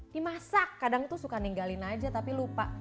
dimasak kadang tuh suka ninggalin aja tapi lupa